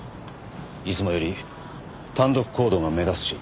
いつもより単独行動が目立つし。